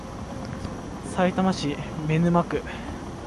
さいたま市見沼区